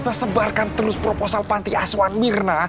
bisa ngebarkan terus proposal panti asuhan mirna